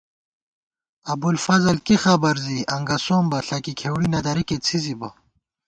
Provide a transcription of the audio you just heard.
ابُوالفضل کی خبر زی انگَسوم بہ، ݪکی کھېوڑی نہ درِکےڅھِزِبہ